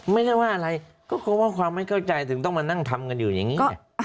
ไม่ได้ว่าอะไรก็เพราะว่าความไม่เข้าใจถึงต้องมานั่งทำกันอยู่อย่างนี้ไง